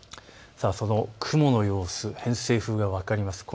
雲の様子、偏西風が分かります。